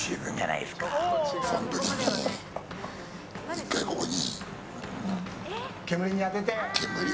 １回ここに。